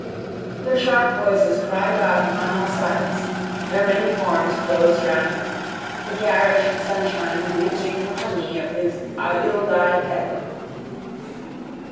Their sharp voices cried about him on all sides: their many forms closed round him, the garish sunshine bleaching the honey of his illdyed head.